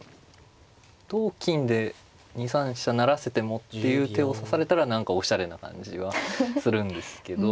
同金で２三飛車成らせてもっていう手を指されたら何かおしゃれな感じはするんですけど。